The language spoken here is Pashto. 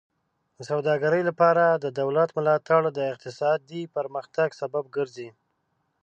د سوداګرۍ لپاره د دولت ملاتړ د اقتصادي پرمختګ سبب ګرځي.